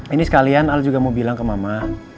ini sekalian al juga mau bilang ke mama